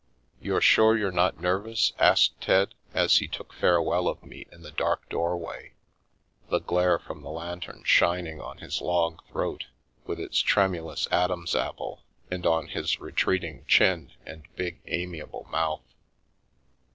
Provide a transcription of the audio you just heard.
"You're sure you're not nervous?" asked Ted, as he took farewell of me in the dark doorway, the glare from the lantern shining on his long throat with its tremulous Adam's apple, and on his retreating chin and big, amiable mouth.